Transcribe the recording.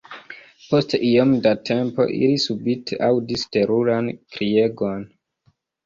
Post iom da tempo ili subite aŭdis teruran kriegon.